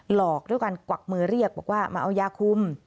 หลอกด้วยการกวักมือเรียกบอกว่ามาเอายาคุม